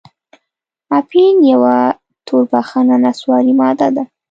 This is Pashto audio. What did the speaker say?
اپین یوه توربخنه نسواري ماده ده.